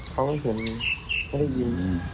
เขาไม่เห็นไม่ได้ยิน